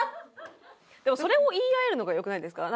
でもそれを言い合えるのがよくないですか？